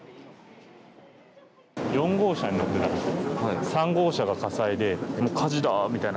４号車に乗ってたんですけど３号車が火災で火事だみたいな。